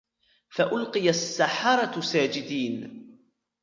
فَأُلْقِيَ السَّحَرَةُ سَاجِدِينَ